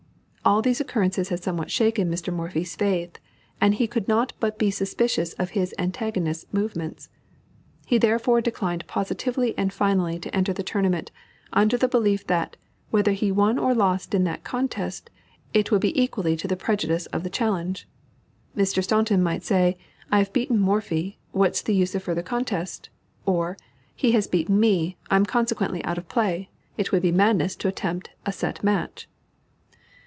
All these occurrences had somewhat shaken Mr. Morphy's faith, and he could not but be suspicious of his antagonist's movements. _He therefore declined positively and finally to enter the tournament, under the belief that, whether he won or lost in that contest, it would be equally to the prejudice of the challenge. Mr. Staunton might say, "I have beaten Morphy; what is the use of further contest?" or "He has beaten me, I am consequently out of play. It would be madness to attempt a set match."